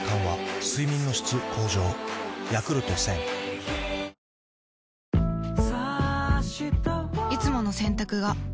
ウェ！え⁉いつもの洗濯が